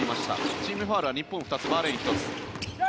チームファウルは日本２つバーレーン１つ。